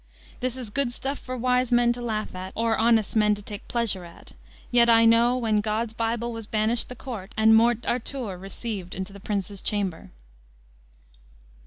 This is good stuff for wise men to laugh at or honest men to take pleasure at. Yet I know when God's Bible was banished the Court, and Morte Arthure received into the prince's chamber."